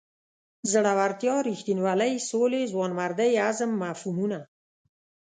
زړورتیا رښتینولۍ سولې ځوانمردۍ عزم مفهومونه.